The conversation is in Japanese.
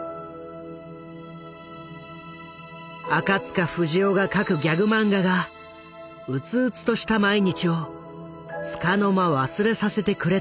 赤塚不二夫が描くギャグ漫画がうつうつとした毎日をつかの間忘れさせてくれたという。